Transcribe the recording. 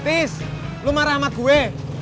tis lo marah sama gue